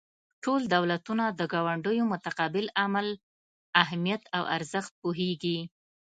ټول دولتونه د ګاونډیو متقابل عمل اهمیت او ارزښت پوهیږي